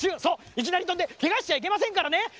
そういきなりとんでけがしちゃいけませんからね。